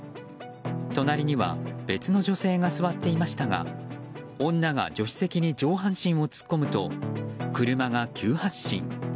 隣には別の女性が座っていましたが女が助手席に上半身を突っ込むと車が急発進。